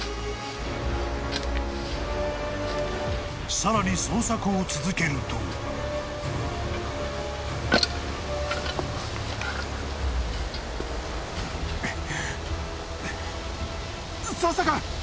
［さらに捜索を続けると］ん？